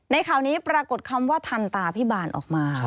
ข่าวนี้ปรากฏคำว่าทันตาพิบาลออกมา